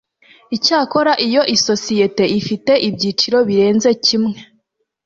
Icyakora iyo isosiyete ifite ibyiciro birenze kimwe